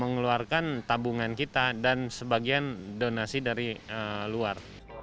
mengeluarkan tabungan kita dan sebagian donasi dari luar